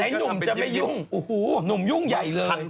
ไหนหนุ่มจะไปยุ่งหนุ่มยุ่งใหญ่เลย